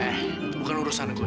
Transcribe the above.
eh bukan urusan gue